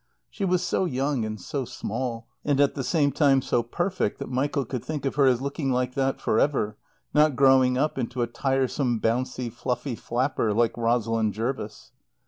She was so young and so small, and at the same time so perfect that Michael could think of her as looking like that for ever, not growing up into a tiresome, bouncing, fluffy flapper like Rosalind Jervis.